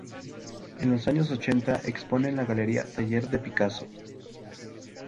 En los años ochenta expone en la galería Taller de Picasso.